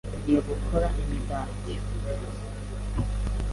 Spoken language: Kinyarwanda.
Ngiye gukora imigati.